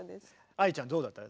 愛理ちゃんどうだった？